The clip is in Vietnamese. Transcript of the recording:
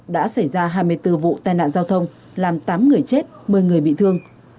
đã xảy ra hai mươi bốn vụ tai nạn giao thông làm tám người chết một mươi người bị thương